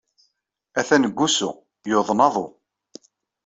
Atan deg wusu. Yuḍen aḍu.